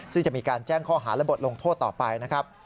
ซึ่งจะมีการแจ้งข้อหาและบทลงโทษต่อไปนะครับ